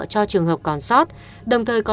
cho trường hợp còn sót đồng thời có